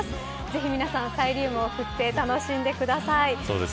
ぜひ皆さんサイリウムを振って楽しんでください。